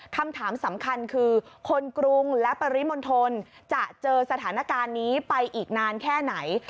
คำถามสำคัญคือคนกรุงและปริมณฑลจะเจอสถานการณ์นี้ไปอีกนานแค่ไหน